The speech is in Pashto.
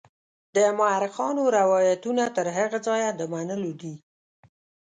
د مورخانو روایتونه تر هغه ځایه د منلو دي.